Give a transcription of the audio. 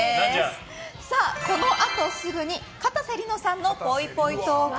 このあとすぐにかたせ梨乃さんのぽいぽいトーク。